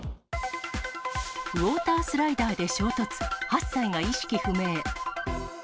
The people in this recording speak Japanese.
ウォータースライダーで衝突、８歳が意識不明。